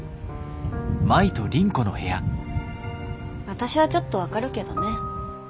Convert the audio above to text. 私はちょっと分かるけどね。